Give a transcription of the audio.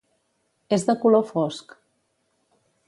És de color fosc.